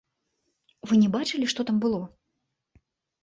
Вы не бачылі, што там было?